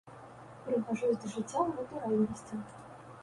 Прыгожасць жыцця ў натуральнасці.